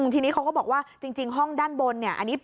ทีนี้เค้าก็บอกว่าจริงห้องด้านบน